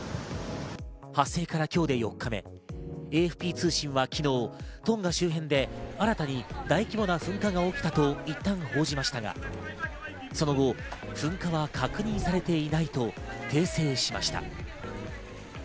発生から今日で４日目、ＡＦＰ通信は昨日、トンガ周辺で新たに大規模な噴火が起きたといったん報じましたが、その後、噴火は確認されていないと訂正しました。